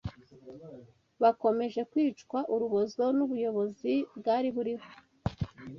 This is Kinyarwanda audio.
bakomeje kwicwa urubozo n’ubuyobozi bwari buriho